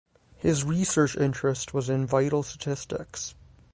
His research interest was in vital statistics.